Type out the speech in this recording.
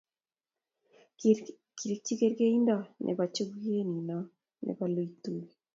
kirikchi kerkeindo nebo chukuye nino nebo loituge